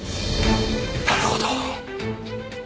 なるほど。